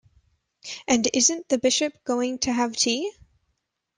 And isn't the Bishop going to have tea?